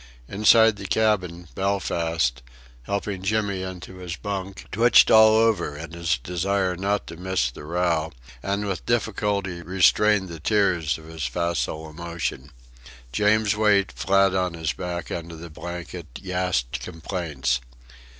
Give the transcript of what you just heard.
Inside the cabin, Belfast, helping Jimmy into his bunk, twitched all over in his desire not to miss all the row, and with difficulty restrained the tears of his facile emotion. James Wait, flat on his back under the blanket, gasped complaints.